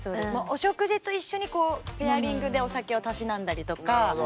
お食事と一緒にこうペアリングでお酒をたしなんだりとか。